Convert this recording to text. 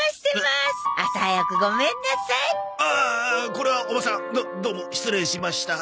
これはおばさんどどうも失礼しました。